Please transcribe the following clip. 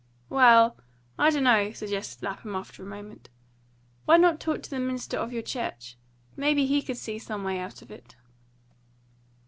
"Well, I dunno," suggested Lapham, after a moment; "why not talk to the minister of your church? May be he could see some way out of it."